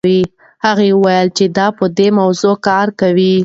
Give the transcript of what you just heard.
هغه وویل چې دی په دې موضوع کار کوي.